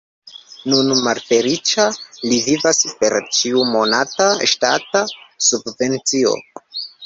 Nun malfeliĉa li vivas per ĉiumonata ŝtata subvencio.